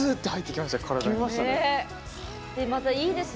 また、いいですね